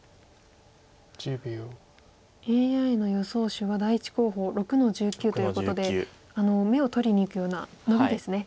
手は第１候補６の十九ということで眼を取りにいくようなノビですね。